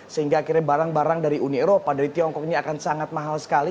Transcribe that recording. sehingga akhirnya barang barang dari uni eropa dari tiongkok ini akan sangat mahal sekali